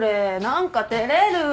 何か照れる。